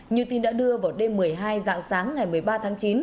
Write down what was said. như tin đã đưa vào đêm một mươi hai dạng sáng ngày một mươi ba tháng chín